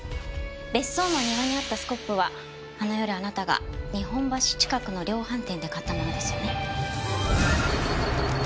別荘の庭にあったスコップはあの夜あなたが日本橋近くの量販店で買ったものですよね？